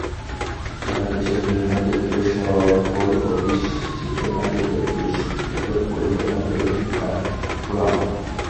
সারা দেশের বিভিন্ন ক্ষেত্রের সফল-প্রতিষ্ঠিত নারীদের পুরস্কৃত করল বাংলাদেশ ব্র্যান্ড ফোরাম।